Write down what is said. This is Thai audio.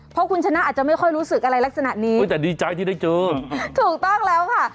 เพราะคุณชนะอาจจะไม่ค่อยรู้สึกอะไรลักษณะนี้แต่ดีใจที่ได้เจอถูกต้องแล้วค่ะ